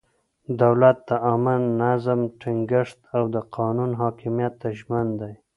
دولت د عامه نظم ټینګښت او د قانون حاکمیت ته ژمن دی.